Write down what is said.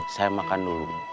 saya makan dulu